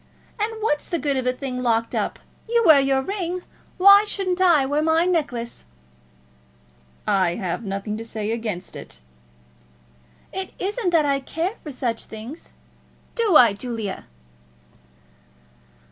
And what's the good of a thing locked up? You wear your ring; why shouldn't I wear my necklace?" "I have nothing to say against it." "It isn't that I care for such things. Do I, Julia?"